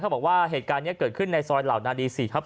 บอกว่าเหตุการณ์นี้เกิดขึ้นในซอยเหล่านาดี๔ทับ๑